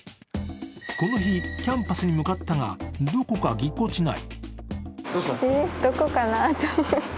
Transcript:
この日、キャンパスに向かったが、どこかぎこちない。